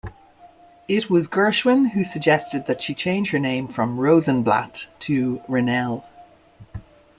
It was Gershwin who suggested that she change her name from Rosenblatt to Ronell.